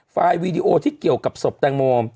วีดีโอที่เกี่ยวกับศพแตงโม